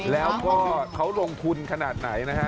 แล้วก็เขาลงทุนขนาดไหนนะฮะ